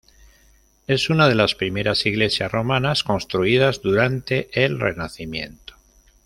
Es una de las primeras iglesias romanas construidas durante el Renacimiento.